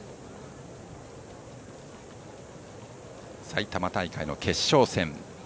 埼玉大会の決勝戦。